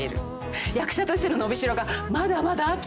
役者としての伸び代がまだまだあったりして。